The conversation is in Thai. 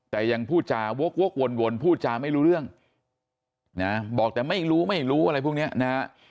แต่ยังพูดจาวกวนพูดจาไม่รู้เรื่องนะบอกแต่ไม่รู้ไม่รู้อะไรพวกนี้นะฮะ